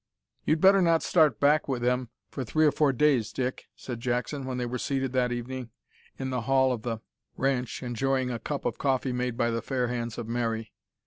"You'd better not start back wi' them for three or four days, Dick," said Jackson, when they were seated that evening in the hall of the ranch, enjoying a cup of coffee made by the fair hands of Mary.